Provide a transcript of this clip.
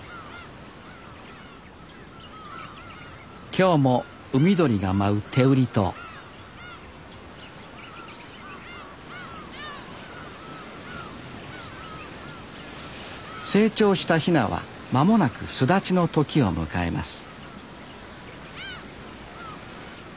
今日も海鳥が舞う天売島成長したヒナは間もなく巣立ちの時を迎えます